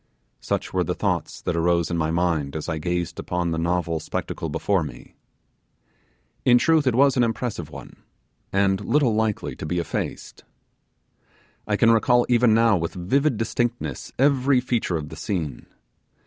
Such were the thoughts that arose in my mind as I gazed upon the novel spectacle before me. In truth it was an impressive one, and little likely to be effaced. I can recall even now with vivid distinctness every feature of the scene.